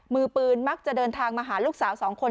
มือปืนมักจะเดินทางมาหาลูกสาว๒คน